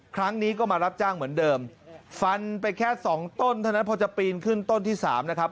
ครั้งนี้ก็มารับจ้างเหมือนเดิมฟันไปแค่สองต้นเท่านั้นพอจะปีนขึ้นต้นที่สามนะครับ